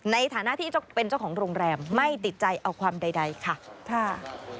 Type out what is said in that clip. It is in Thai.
ในฐานะที่เป็นเจ้าของโรงแรมไม่ติดใจเอาความใดค่ะ